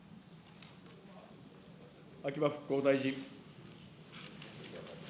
秋葉復興大臣。